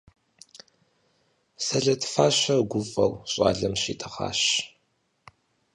Сэлэт фащэр гуфӀэу щӀалэм щитӀэгъащ.